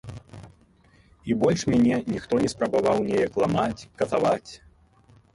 І больш мяне ніхто не спрабаваў неяк ламаць, катаваць.